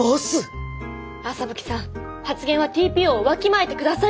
麻吹さん発言はＴＰＯをわきまえて下さいと。